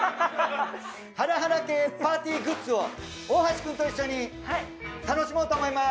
ハラハラ系パーティーグッズを大橋くんと一緒に楽しもうと思います。